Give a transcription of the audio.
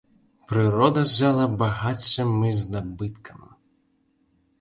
Прырода ззяла багаццем і здабыткам.